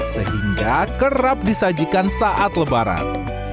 sehingga kerap disajikan saat lebaran